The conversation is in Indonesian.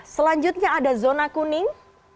selanjutnya ada zona kuning